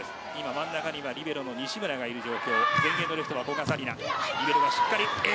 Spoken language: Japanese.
真ん中にはリベロの西村がいます。